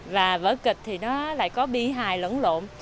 và vỡ kịch thì nó lại có bi hài lẫn lộn